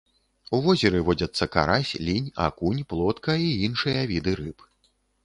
У возеры водзяцца карась, лінь, акунь, плотка і іншыя віды рыб.